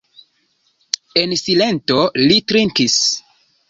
En silento li trinkis.